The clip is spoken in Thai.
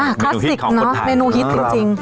คลาสสิกเนอะเมนูฮิตจริง